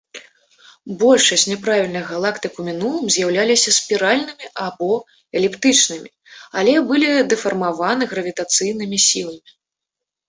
Большасць няправільных галактык ў мінулым з'яўляліся спіральнымі або эліптычнымі, але былі дэфармаваны гравітацыйнымі сіламі.